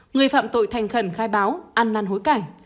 người phạm tội thành khẩn khai báo ăn năn hối cải